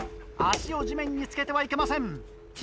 足を地面につけてはいけません。